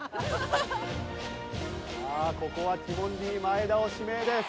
さあここはティモンディ前田を指名です。